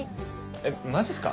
えっマジっすか？